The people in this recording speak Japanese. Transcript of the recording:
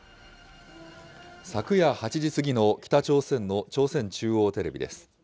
昨夜８時過ぎの北朝鮮の朝鮮中央テレビです。